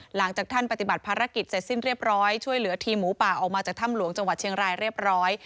หลังจากท่านปฏิบัติภารกิจเสร็จสิ้นเรียบร้อยช่วยเหลือทีมหมูป่าออกมาจากถ้ำหลวงจังหวัดเชียงรายเรียบร้อย